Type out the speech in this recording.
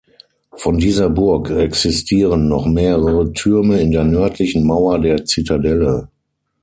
Von dieser Burg existieren noch mehrere Türme in der nördlichen Mauer der Zitadelle.